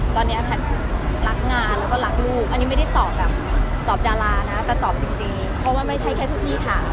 ตอนนี้แพทย์รักงานแล้วก็รักลูกอันนี้ไม่ได้ตอบแบบตอบดารานะแต่ตอบจริงเพราะว่าไม่ใช่แค่พวกพี่ถาม